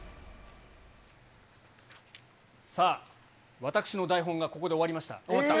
さあ、私の台本がここで終わりました。